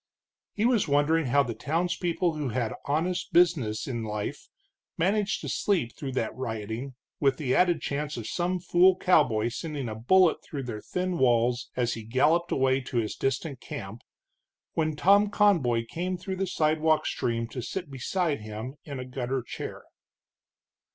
He was wondering how the townspeople who had honest business in life managed to sleep through that rioting, with the added chance of some fool cowboy sending a bullet through their thin walls as he galloped away to his distant camp, when Tom Conboy came through the sidewalk stream to sit beside him in a gutter chair.